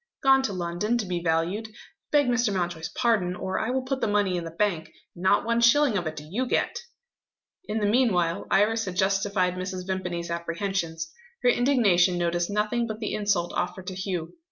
"Gone to London to be valued. Beg Mr. Mountjoy's pardon, or I will put the money in the bank and not one shilling of it do you get." In the meanwhile, Iris had justified Mrs. Vimpany's apprehensions. Her indignation noticed nothing but the insult offered to Hugh.